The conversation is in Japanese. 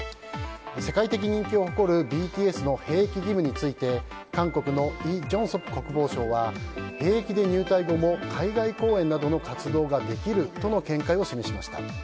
世界的人気を誇るＢＴＳの兵役義務について韓国のイ・ジョンソプ国防相は兵役で入隊後も海外公演などの活動ができるとの見解を示しました。